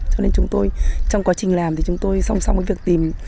cho nên chúng tôi trong quá trình làm thì chúng tôi song song với việc tìm